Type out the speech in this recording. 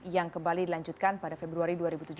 yang kembali dilanjutkan pada februari dua ribu tujuh belas